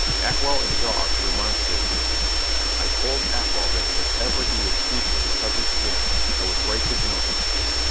Atwell and Dawes remonstrated with me; I told Atwell that if ever he would speak of the subject again, I would break his nose.